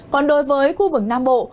còn đối với khu vực nam bộ